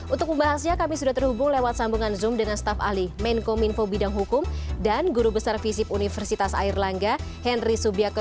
untuk pembahasnya kami sudah terhubung lewat sambungan zoom dengan staff ali menko minfo bidang hukum dan guru besar visip universitas air langga henry subiakos